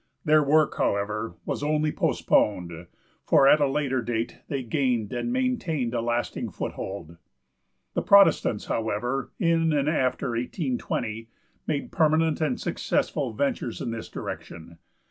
Their work, however, was only postponed, for at a later date they gained and maintained a lasting foothold. The Protestants, however, in and after 1820, made permanent and successful ventures in this direction.